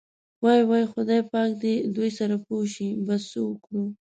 وۍ وۍ خدای پاک دې دوی سره پوه شي، بس څه وکړو.